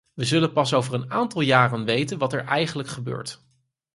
Wij zullen pas over een aantal jaren weten wat er eigenlijk gebeurt.